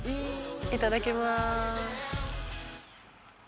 いただきます